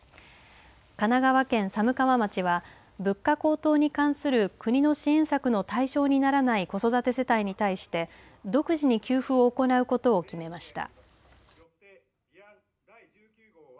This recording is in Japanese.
神奈川県寒川町は物価高騰に関する国の支援策の対象にならない子育て世帯に対して独自に給付を行うことを決めました。